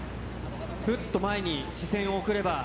ふっと前に視線を送れば。